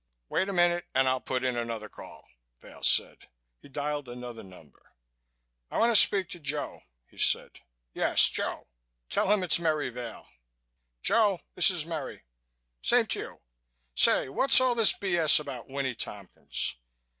"Wait a minute and I'll put in another call," Vail said. He dialed another number. "I want to speak to Joe," he said. "Yes. Joe. Tell him it's Merry Vail.... Joe, this is Merry.... Same to you. Say, what's all this b.s. about Winnie Tompkins....